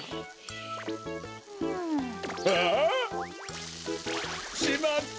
あっ！しまった！